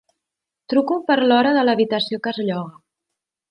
Truco per l'hora de l'habitació que es lloga.